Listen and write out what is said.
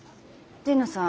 神野さん